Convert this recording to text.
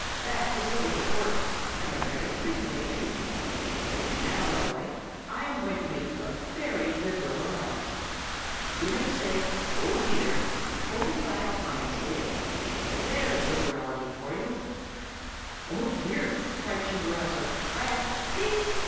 'That is the way it works, and a very pretty way, too. Now, my boy, I am going to make you a very liberal allowance. You may say "Oh, dear!" forty five times a day. There's liberality for you!' "'Oh, dear!' cried Chimborazo, 'I—' "'_Ting!